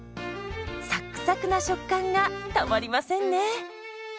サックサクな食感がたまりませんね。